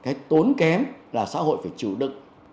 cái tốn kém là xã hội phải chịu đựng